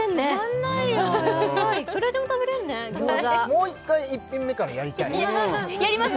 もう１回１品目からやりたいやります？